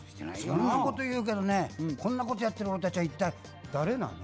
そんなこと言うけどねこんなことやってる俺たちは一体誰なの？